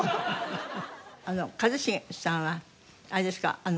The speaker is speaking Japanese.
あの一茂さんはあれですか？